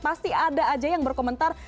pasti ada aja yang berkomentar